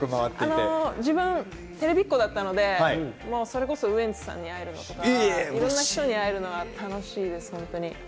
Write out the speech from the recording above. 自分テレビっ子だったので、それこそウエンツさんに会えるのとかいろんな人に会えるのは楽しいです。